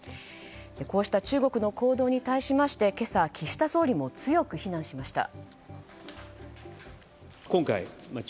こうした中国の行動に対しまして今朝、岸田総理も強く非難しました。